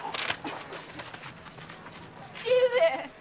父上。